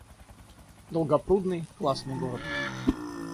Долгопрудный — классный город